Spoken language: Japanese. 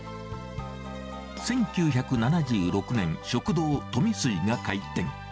１９７６年、食堂、富水が開店。